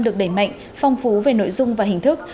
được đẩy mạnh phong phú về nội dung và hình thức